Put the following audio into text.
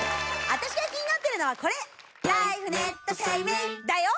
あたしが気になってるのはこれ！だよ！